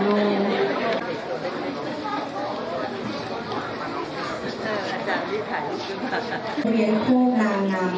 สวัสดีครับสวัสดีครับ